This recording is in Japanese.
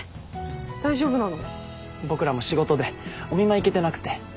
僕らも仕事でお見舞い行けてなくて。